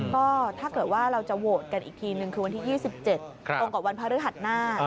ก็ถ้าเกิดว่าเราจะโหวตกันอีกทีนึงคือวันที่๒๗ตรงกับวันพระฤหัสหน้า